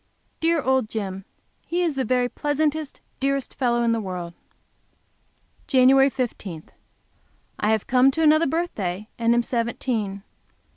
Dear old Jim! He is the very pleasantest, dearest fellow in the world! Jan. 15. I have come to another birthday and am seventeen.